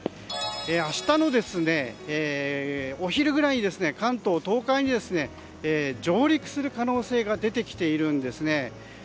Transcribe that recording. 明日のお昼ぐらいに関東、東海に上陸する可能性が出てきているんですね。